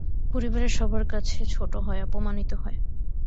পরিবারের সবার কাছে ছোট হয়, অপমানিত হয়।